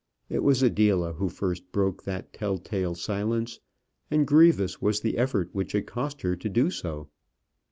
It was Adela who first broke that tell tale silence; and grievous was the effort which it cost her to do so.